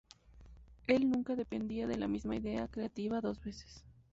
Él nunca dependía de la misma idea creativa dos veces.